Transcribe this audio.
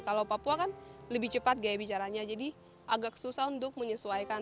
kalau papua kan lebih cepat gaya bicaranya jadi agak susah untuk menyesuaikan